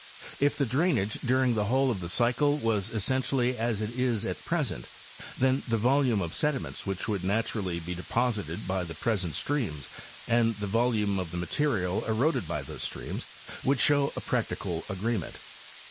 If the drainage during the whole of the cycle was essen tially as it is at present, then the volume of sediments which would naturally be deposited by the present streams and the volume of the material eroded by those streams should show a practical agreement.